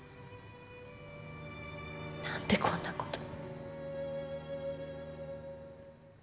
何でこんなことに。